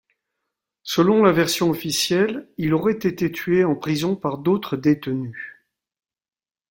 Selon la version officielle, il aurait été tué en prison par d'autres détenus.